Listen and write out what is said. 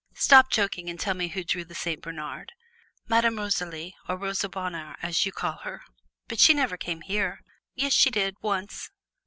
"Stop joking and tell me who drew the Saint Bernard." "Madame Rosalie, or Rosa Bonheur, as you call her." "But she never came here!" "Yes, she did once.